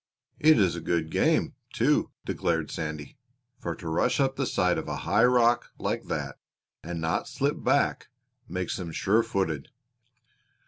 "It is a good game, too," declared Sandy, "for to rush up the side of a high rock like that and not slip back makes them sure footed."